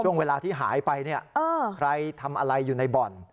ช่วงเวลาที่หายไปเนี่ยใครทำอะไรอยู่ในบ่อน